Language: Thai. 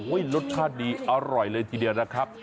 รสชาติดีอร่อยเลยทีเดียวนะครับ